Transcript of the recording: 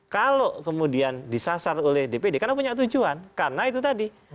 kalau kemudian disasar oleh dpd karena punya tujuan karena itu tadi